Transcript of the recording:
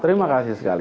terima kasih sekali